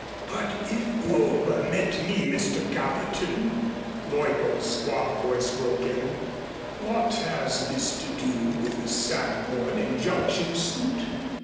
"But if you'll permit me, Mr. Gallatin," Leuppold's suave voice broke in, "what has this to do with the Sanborn injunction suit?